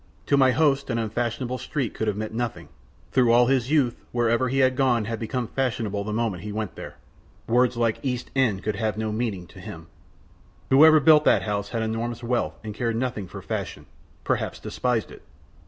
To my host an unfashionable street could have meant nothing, through all his youth wherever he had gone had become fashionable the moment he went there; words like the East End could have had no meaning to him. Whoever built that house had enormous wealth and cared nothing for fashion, perhaps despised it.